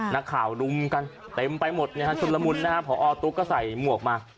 นักข่าวรุมกันเต็มไปหมดชุดละมุนนะฮะพอตุ๊กก็ใส่หมวกมา